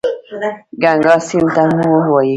ګنګا سیند ته مور وايي.